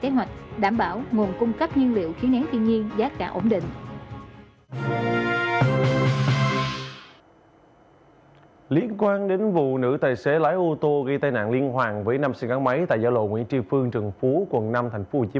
hãy đăng ký kênh để nhận thông tin nhất